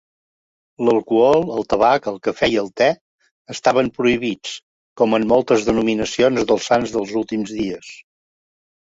L'alcohol, el tabac, el cafè i el te estaven prohibits, com en moltes denominacions dels Sants dels Últims Dies.